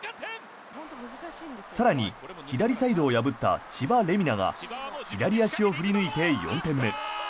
更に、左サイドを破った千葉玲海菜が左足を振り抜いて４点目。